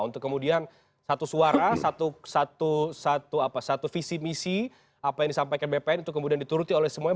untuk kemudian satu suara satu visi misi apa yang disampaikan bpn itu kemudian dituruti oleh semuanya